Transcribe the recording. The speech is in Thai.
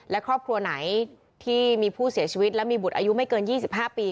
และครอบครัวไหนที่มีผู้เสียชีวิตและมีบุตรอายุไม่เกิน๒๕ปี